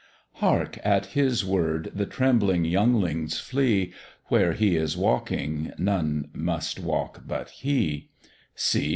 Hark! at his word the trembling younglings flee, Where he is walking none must walk but he; See!